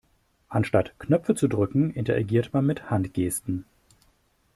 Anstatt Knöpfe zu drücken, interagiert man mit Handgesten.